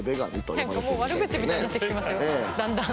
何かもう悪口みたいになってきてますよだんだん。